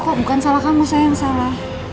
kok bukan salah kamu saya yang salah